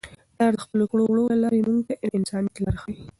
پلار د خپلو کړو وړو له لارې موږ ته د انسانیت لار ښيي.